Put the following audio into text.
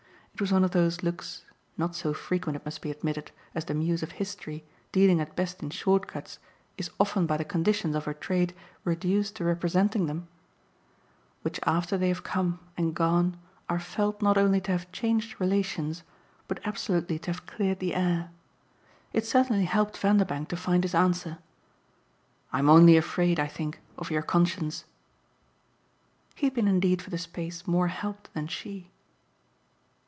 It was one of those looks not so frequent, it must be admitted, as the muse of history, dealing at best in short cuts, is often by the conditions of her trade reduced to representing them which after they have come and gone are felt not only to have changed relations but absolutely to have cleared the air. It certainly helped Vanderbank to find his answer. "I'm only afraid, I think, of your conscience." He had been indeed for the space more helped than she.